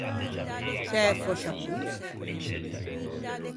T’æ fòscia poia?